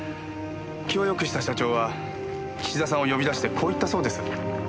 気をよくした社長は岸田さんを呼び出してこう言ったそうです。